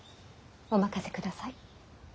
お任せください。